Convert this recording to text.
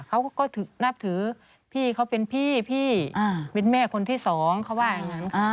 เขาก็นับถือพี่เขาเป็นพี่พี่เป็นแม่คนที่สองเขาว่าอย่างนั้น